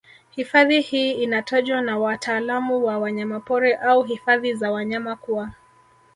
Hifadhi hii inatajwa na wataalamu wa wanyapori au hifadhi za wanyama kuwa